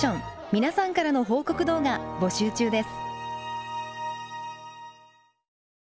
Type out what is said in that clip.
皆さんからの報告動画募集中です。